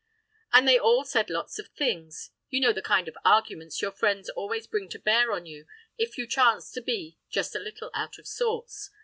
And they all said lots of things—you know the kind of arguments your friends always bring to bear on you if you chance to be just a little out of sorts.